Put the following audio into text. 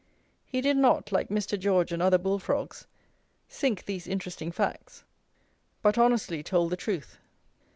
He did not, like Mr. George and other Bull frogs, sink these interesting facts; but honestly told the truth.